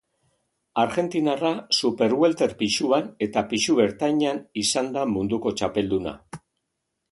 Arjentinarra, superwelter pisuan eta pisu ertainean izan da munduko txapelduna.